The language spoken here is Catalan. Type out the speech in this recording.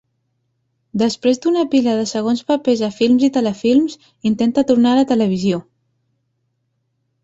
Després d'una pila de segons papers a films i telefilms, intenta tornar a la televisió.